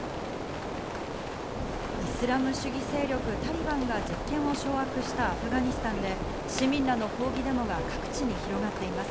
イスラム主義勢力・タリバンが実権を掌握したアフガニスタンで市民らの抗議デモが各地に広がっています。